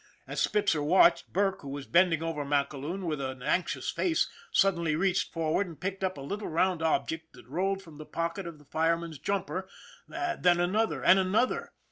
As Spitzer watched, Burke, who was bending over MacAloon with an anxious face, suddenly reached forward and picked up a little round object that rolled from the pocket of the fireman's jumper, then another and another.